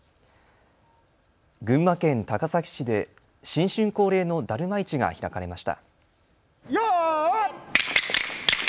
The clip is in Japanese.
群馬県高崎市で新春恒例のだるま市が開かれました。